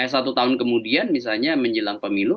satu tahun kemudian misalnya menjelang pemilu